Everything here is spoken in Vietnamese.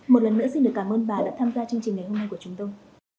một lần nữa xin được cảm ơn bà đã tham gia chương trình ngày hôm nay của chúng tôi